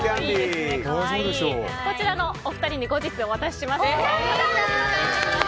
こちらのお二人に後日お渡しします。